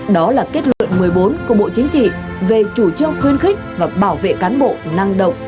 đó là kết luận một mươi bốn của bộ chính trị về chủ trương khuyên khích và bảo vệ cán bộ năng động